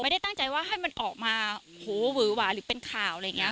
ไม่ได้ตั้งใจว่าให้มันออกมาโหวือหวาหรือเป็นข่าวอะไรอย่างนี้